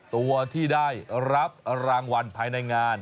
ตัวที่ได้รับรางวัลภายในงาน